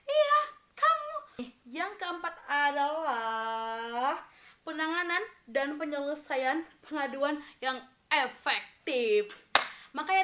iya kamu yang keempat adalah penanganan dan penyelesaian pengaduan yang efektif makanya